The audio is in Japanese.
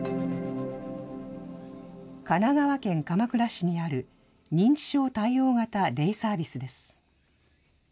神奈川県鎌倉市にある認知症対応型デイサービスです。